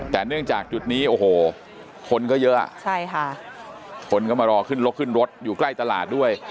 แต่เนื่องจากจุดนี้โอ้โหคนก็เยอะใช่ค่ะคนก็มารอขึ้นรถขึ้นรถอยู่ใกล้ตลาดด้วย